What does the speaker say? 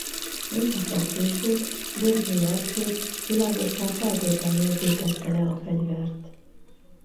Négy nappal később Görgey Artúr Világosnál feltétel nélkül tette le a fegyvert.